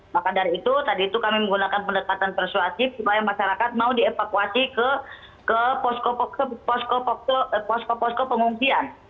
maka dari itu tadi itu kami menggunakan pendekatan persuasif supaya masyarakat mau dievakuasi ke posko posko pengungsian